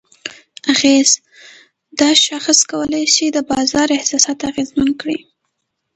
اغېز: دا شاخص کولی شي د بازار احساسات اغیزمن کړي؛